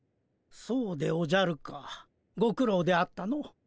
そうでおじゃるかご苦ろうであったの。